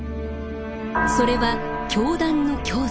それは教団の教祖。